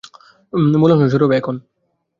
মূল অংশ শুরু হবে এখন।